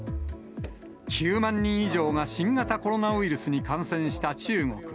９万人以上が新型コロナウイルスに感染した中国。